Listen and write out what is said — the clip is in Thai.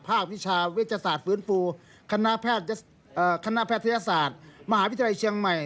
วิชาเวชศาสตร์ฟื้นฟูคณะแพทยศาสตร์มหาวิทยาลัยเชียงใหม่